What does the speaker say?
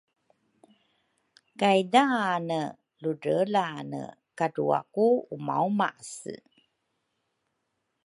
kay daane ludreelane kadrua ku umaumase.